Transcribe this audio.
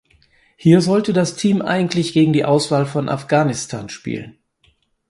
Hier sollte das Team eigentlich gegen die Auswahl von Afghanistan spielen.